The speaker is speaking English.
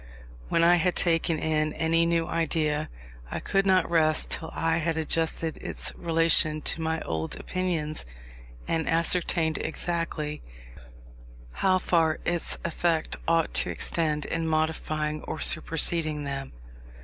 When I had taken in any new idea, I could not rest till I had adjusted its relation to my old opinions, and ascertained exactly how far its effect ought to extend in modifying or superseding them.